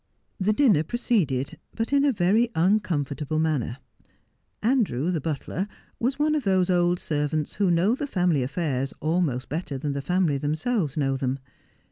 The dinner proceeded, but in a very uncomfortable manner. Andrew, the butler, was one of those old servants who know the family affairs almost better than the family themselves know them.